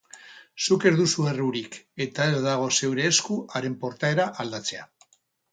Zuk ez duzu errurik eta ez dago zeure esku haren portaera aldatzea.